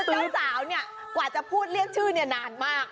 เจ้าสาวเนี่ยกว่าจะพูดเรียกชื่อเนี่ยนานมาก